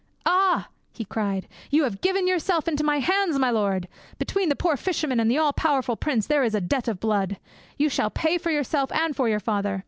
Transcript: "Ah!" he cried, "you have given yourself into my hands, my lord! Between the poor fisherman and the all powerful prince there is a debt of blood. You shall pay for yourself and for your father.